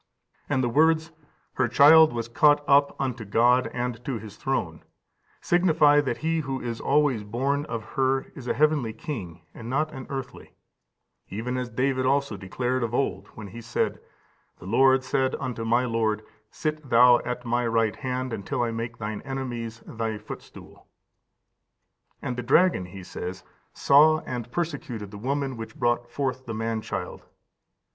And the words, "her child was caught up unto God and to His throne," signify that he who is always born of her is a heavenly king, and not an earthly; even as David also declared of old when he said, "The Lord said unto my Lord, Sit Thou at my right hand, until I make Thine enemies Thy footstool."15371537 Ps. cx. 1. "And the dragon," he says, "saw and persecuted the woman which brought forth the man child.